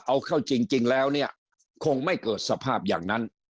เอาเข้าจริงแล้วเนี่ยคงไม่เกิดสภาพอย่างนั้น